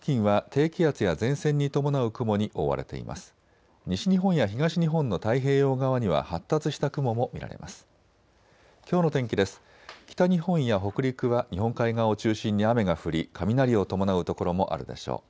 北日本や北陸は日本海側を中心に雨が降り雷を伴う所もあるでしょう。